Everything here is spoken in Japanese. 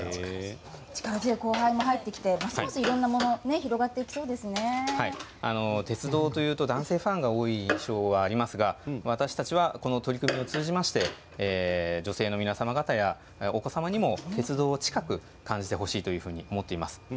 力強い後輩も入ってきていろんなものに鉄道というと男性ファンが多い印象がありますが、私たちはこの取り組みを通じて女性やお子様にも鉄道を近くに感じてほしいと思っています。